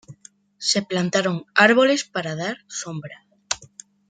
Se plantaron árboles para dar sombra.